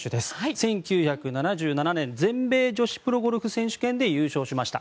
１９７７年全米女子プロゴルフ選手権で優勝しました。